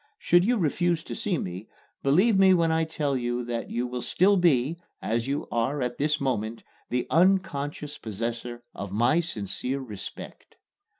Should you refuse to see me, believe me when I tell you that you will still be, as you are at this moment, the unconscious possessor of my sincere respect.